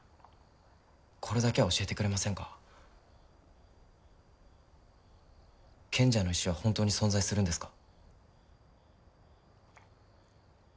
これだけは教えてくれませんか賢者の石は本当に存在するんですか？